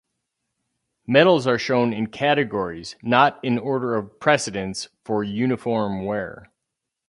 Medals are shown in categories, not in order of precedence for uniform wear.